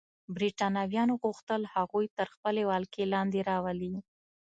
برېټانویانو غوښتل هغوی تر خپلې ولکې لاندې راولي.